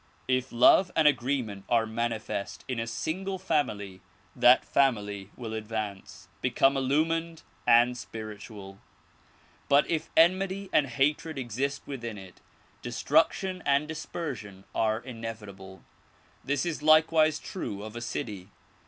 If love and agreement are manifest in a single family, that family will advance, become illumined and spiritual ; but if enmity and hatred exist within it destraction and dispersion are inevitable. This is likewise true of a city.